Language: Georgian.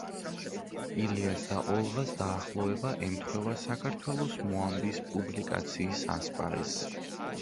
ილიას და ოლღას დაახლოება ემთხვევა „საქართველოს მოამბის“ პუბლიკაციის ასპარეზს.